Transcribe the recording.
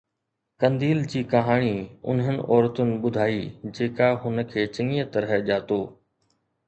قنديل جي ڪهاڻي انهن عورتن ٻڌائي جيڪا هن کي چڱيءَ طرح ڄاتو